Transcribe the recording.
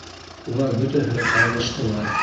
Улар бөтәһе лә таралыштылар.